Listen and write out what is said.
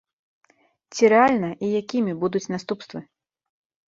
Ці рэальна і якімі будуць наступствы?